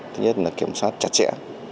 thứ nhất là kiểm soát chặt chẽ